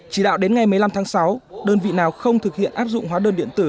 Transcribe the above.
chỉ đạo đến ngày một mươi năm tháng sáu đơn vị nào không thực hiện áp dụng hóa đơn điện tử